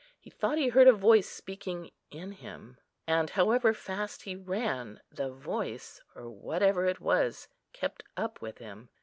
He thought he heard a voice speaking in him; and, however fast he ran, the voice, or whatever it was, kept up with him.